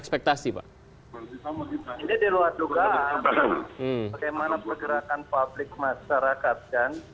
bagaimana pergerakan publik masyarakat kan